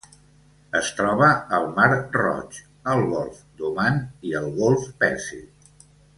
Es troba al mar Roig, el golf d'Oman i el golf Pèrsic.